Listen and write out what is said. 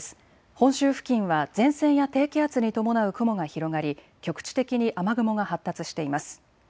本州付近は前線や低気圧に伴う雲が広がり局地的に雨雲が発達しています。